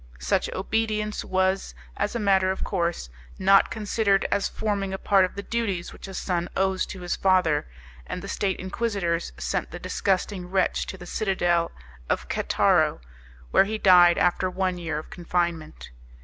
Such obedience was, as a matter of course, not considered as forming a part of the duties which a son owes to his father, and the State Inquisitors sent the disgusting wretch to the citadel of Cataro, where he died after one year of confinement.